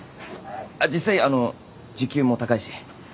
あっ実際あの時給も高いし。